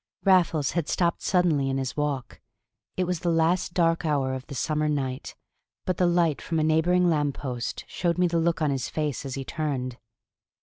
Raffles had stopped suddenly in his walk. It was the last dark hour of the summer night, but the light from a neighboring lamppost showed me the look on his face as he turned.